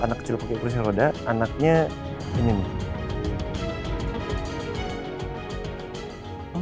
anak kecil pake proses roda anaknya penyembuh